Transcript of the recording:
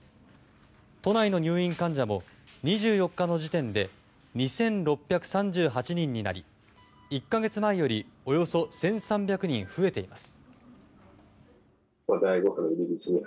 都内の入院患者も２４日の時点で２６３８人になり１か月前よりおよそ１３００人増えています。